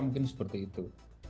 mungkin seperti itu